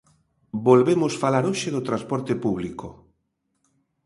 Volvemos falar hoxe do transporte público.